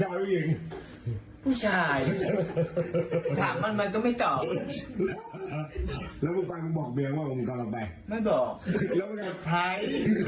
มันมีผู้ชายถามมันมาก็ไม่ตอบแล้วมึงบอกเบียงว่ามันต้องลงไป